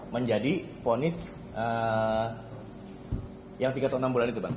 menjadi ponis yang tiga atau enam bulan itu bang